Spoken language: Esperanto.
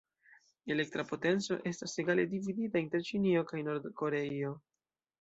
Elektra potenco estas egale dividita inter Ĉinio kaj Nord-Koreio.